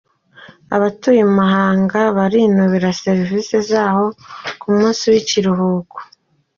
Abahatuye Imuhanga barinubira serivisi zaho ku munsi w’ikiruhuko